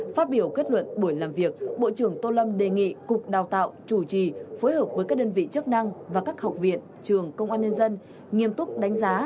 phát biểu kết luận buổi làm việc bộ trưởng tô lâm đề nghị cục đào tạo chủ trì phối hợp với các đơn vị chức năng và các học viện trường công an nhân dân nghiêm túc đánh giá